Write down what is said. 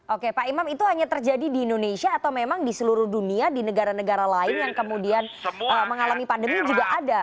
oke pak imam itu hanya terjadi di indonesia atau memang di seluruh dunia di negara negara lain yang kemudian mengalami pandemi juga ada